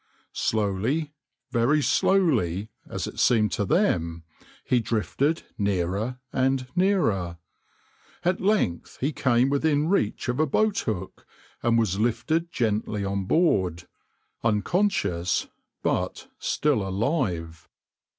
Slowly, very slowly, as it seemed to them, he drifted nearer and nearer. At length he came within reach of a boat hook, and was lifted gently on board unconscious, but still alive.